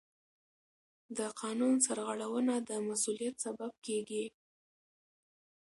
د قانون سرغړونه د مسؤلیت سبب کېږي.